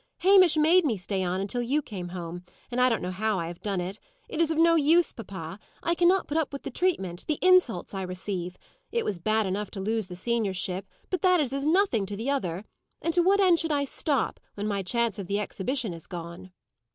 "Hamish made me stay on, until you came home; and I don't know how I have done it. It is of no use, papa! I cannot put up with the treatment the insults I receive. It was bad enough to lose the seniorship, but that is as nothing to the other. And to what end should I stop, when my chance of the exhibition is gone?"